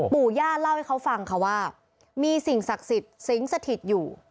ปู่ญาติเล่าให้เขาฟังค่ะว่ามีสิ่งศักดิ์สิงสถิตอยู่